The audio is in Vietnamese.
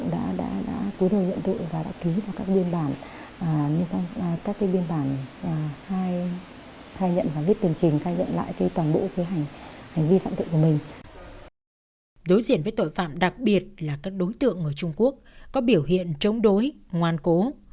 đối diện với tội phạm đặc biệt là các đối tượng người trung quốc có biểu hiện chống đối ngoan cố